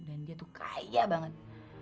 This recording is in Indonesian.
dan dia tuh kaya banget